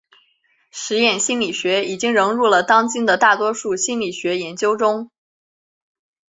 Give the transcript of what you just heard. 实验心理学已经融入了当今的大多数心理学研究中。